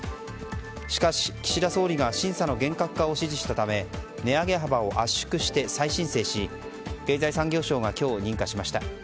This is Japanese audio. しかし、岸田総理が審査の厳格化を指示したため値上げ幅を圧縮して再申請し経済産業省が今日、認可しました。